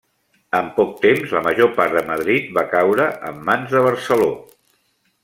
En poc temps la major part de Madrid va caure en mans de Barceló.